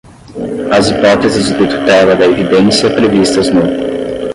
às hipóteses de tutela da evidência previstas no